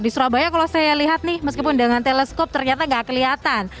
di surabaya kalau saya lihat nih meskipun dengan teleskop ternyata nggak kelihatan